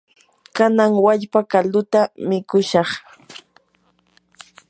kanan wallpa kalduta mikushaq.